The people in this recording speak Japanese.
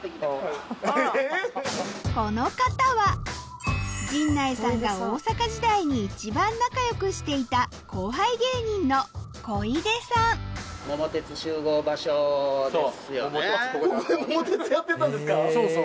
この方は陣内さんが大阪時代に一番仲良くしていた後輩芸人のそうそう。